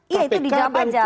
iya itu dijawab saja